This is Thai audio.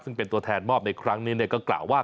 ซึ่งเป็นตัวแทนมอบในครั้งนี้ก็กล่าวว่า